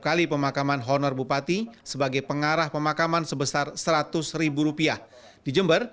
kali pemakaman honor bupati sebagai pengarah pemakaman sebesar seratus ribu rupiah di jember